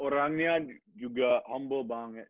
orangnya juga humble banget